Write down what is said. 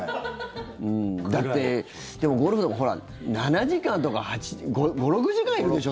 だってゴルフとか、７時間とか５６時間いるでしょ？